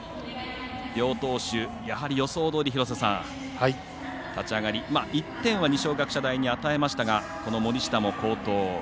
両投手、やはり予想どおり立ち上がり、１点は二松学舎大に与えましたが森下も好投。